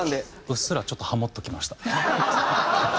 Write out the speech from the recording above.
うっすらちょっとハモっておきました。